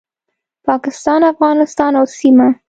پاکستان، افغانستان او سیمه